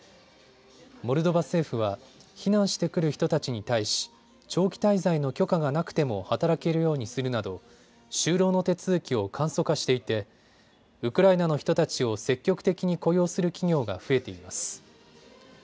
モルドバ政府は避難してくる人たちに対し長期滞在の許可がなくても働けるようにするなど就労の手続きを簡素化していてウクライナの人たちを積極的に雇用する企業が増えています。